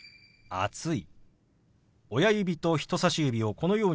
「暑い」。